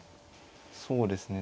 そうですね